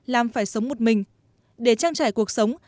lam phải sống một mình để trang trải cuộc sống